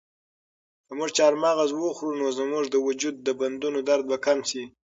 که موږ چهارمغز وخورو نو زموږ د وجود د بندونو درد به کم شي.